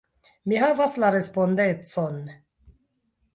Mi havas la respondecon!